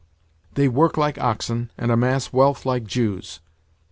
They work like oxen, and amass wealth like Jews.